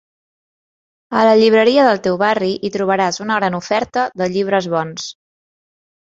A la llibreria del teu barri hi trobaràs una gran oferta de llibres bons.